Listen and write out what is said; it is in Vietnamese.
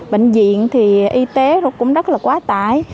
bệnh viện thì y tế cũng rất là quá tải